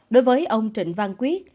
đối với ông trịnh văn quyết